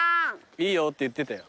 いいよって言ってたよ。